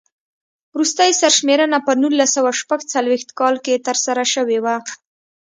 وروستۍ سر شمېرنه په نولس سوه شپږ څلوېښت کال کې ترسره شوې وه.